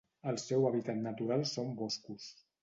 El seu hàbitat natural són boscos.